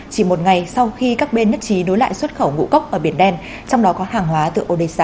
chỉ một ngày sau khi các bên nhất trí đối lại xuất khẩu ngũ cốc ở biển đen trong đó có hàng hóa từ indonesia